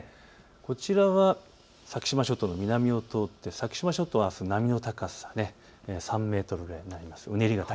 こちらは先島諸島の南を通って、先島諸島はあす波の高さ３メートルくらいになります。